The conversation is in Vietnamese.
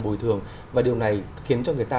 bồi thường và điều này khiến cho người ta